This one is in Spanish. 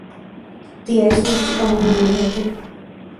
Tia es una chica muy inteligente.